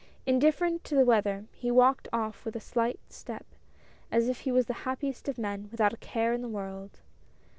Indifferent to the weather, he walked off with a light step, as if he was the happiest of men, without a care in the world.